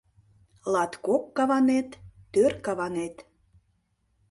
Латкок каванет, тӧр каванет —